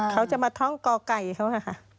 เขาจะมาท่องก่อไก่เขาค่ะ